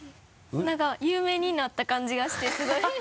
なんか有名になった感じがしてすごい